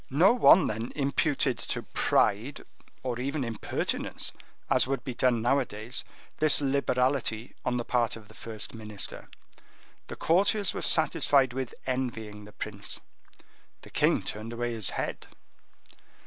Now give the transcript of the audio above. No one then imputed to pride, or even impertinence, as would be done nowadays, this liberality on the part of the first minister. The courtiers were satisfied with envying the prince.—The king turned away his head.